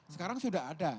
sekarang sudah ada